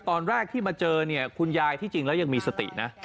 ตอนแรกที่มาเจอเนี่ยคุณยายที่จริงแล้วยังมีสตินะ